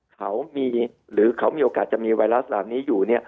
เขามีหรือเขามีโอกาสจะมีไวรัสเหล่านี้อยู่